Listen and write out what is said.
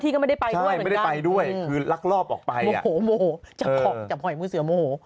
กับหอยมือเสือโมฮ